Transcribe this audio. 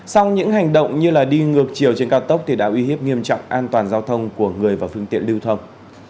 sau những hành động như đi ngược chiều trên cao tốc thì đã uy hiếp nghiêm trọng an toàn giao thông của người và phương tiện lưu thông